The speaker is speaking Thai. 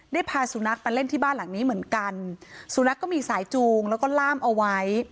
พาสุนัขมาเล่นที่บ้านหลังนี้เหมือนกันสุนัขก็มีสายจูงแล้วก็ล่ามเอาไว้